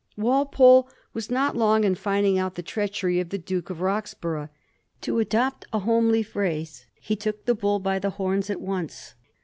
Walpole was not long in finding out the treachery of the Duke of Roxburgh. To adopt a homely phrase, he ^ took the bull by the horns ' at once.